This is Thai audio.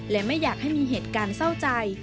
และไม่อยากให้มีเหตุการณ์เศร้าใจ